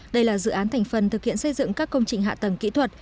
đây là dự án thành phần thực hiện xây dựng các công trình hạ tầng kỹ thuật